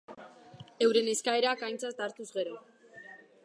Euren eskaerak aintzat hartuz gero.